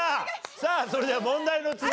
さあそれでは問題の続きを。